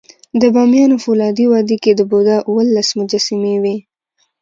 د بامیانو فولادي وادي کې د بودا اوولس مجسمې وې